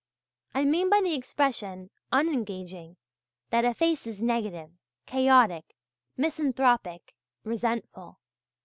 I mean by the expression "unengaging" that a face is negative, chaotic, misanthropic, resentful.